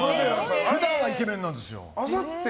普段はイケメンなんですよ。